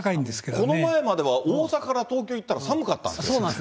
この前までは大阪から東京行ったら、寒かったんです。